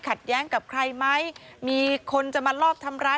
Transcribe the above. แย้งกับใครไหมมีคนจะมาลอบทำร้าย